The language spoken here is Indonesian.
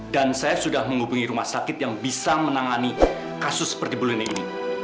dan saya sudah menghubungi rumah sakit yang bisa menangani kasus seperti bulu ini